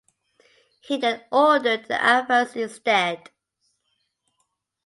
He then ordered an advance instead.